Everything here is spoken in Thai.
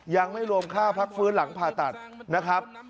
ยังไม่รวมค่าพักฟื้นหลังผ่าตัดนะครับ